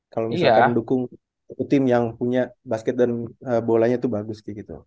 kalau misalkan mendukung tim yang punya basket dan bolanya itu bagus kayak gitu